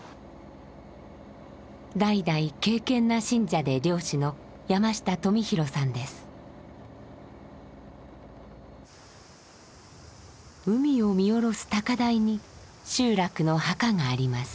代々敬虔な信者で漁師の海を見下ろす高台に集落の墓があります。